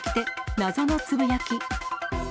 謎のつぶやき。